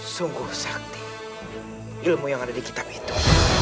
sungguh sakti ilmu yang ada di kitab itu